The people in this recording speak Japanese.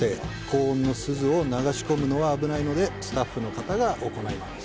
高温の錫を流し込むのは危ないので、スタッフの方が行います。